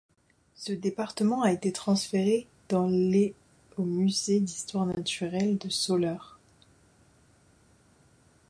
Ce département a été transféré dans les au musée d'Histoire naturelle de Soleure.